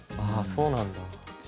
ああそうなんだ。